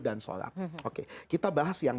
dan sholat oke kita bahas yang